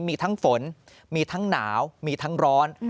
มีทั้งฝนมีทั้งหนาวมีทั้งร้อน